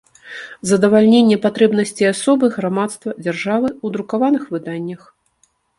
Задавальненне патрэбнасцей асобы, грамадства, дзяржавы ў друкаваных выданнях.